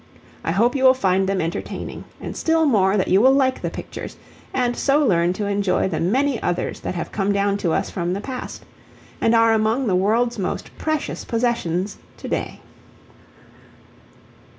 I hope you will find them entertaining, and still more that you will like the pictures, and so learn to enjoy the many others that have come down to us from the past, and are among the world's most precious possessions to day.